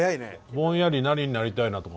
ぼんやり何になりたいなとかあるの？